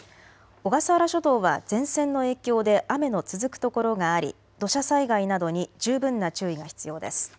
小笠原諸島は前線の影響で雨の続く所があり土砂災害などに十分な注意が必要です。